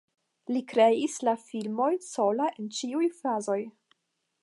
Li kreis la filmojn sola en ĉiuj fazoj.